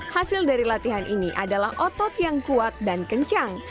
hasil dari latihan ini adalah otot yang kuat dan kencang